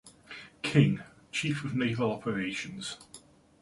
King, Chief of Naval Operations.